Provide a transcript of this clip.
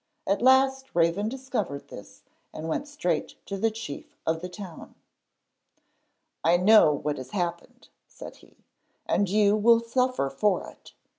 At last Raven discovered this and went straight to the chief of the town. 'I know what has happened,' said he. 'And you will suffer for it.